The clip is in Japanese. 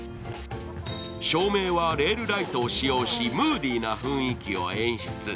照明はレールライトを使用しムーディーな雰囲気を演出。